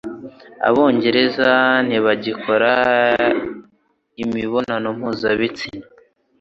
Abongereza ntibagikora imibonano mpuzabitsina